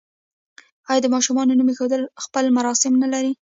آیا د ماشوم نوم ایښودل خپل مراسم نلري؟